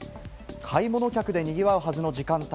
買い物客で賑わうはずの時間帯。